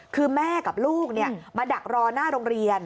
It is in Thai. คือแม่กับลูกมาดักรอหน้าโรงเรียน